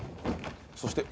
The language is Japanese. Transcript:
そして。